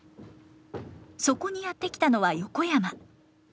そこにやって来たのは横山。